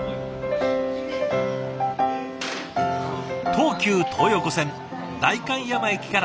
東急東横線代官山駅から徒歩３分。